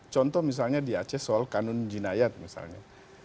contoh misalnya di aceh soal kanun jinayat misalnya